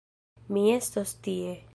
Mi estos tie.